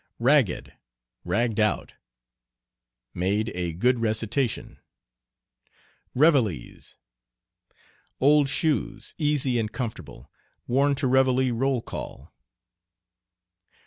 "Ragged," "ragged out." Made a good recitation. "Reveilles." Old shoes, easy and comfortable, worn to reveille roll call.